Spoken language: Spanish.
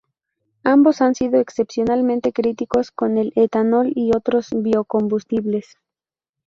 Ambos han sido excepcionalmente críticos con el etanol y otros biocombustibles.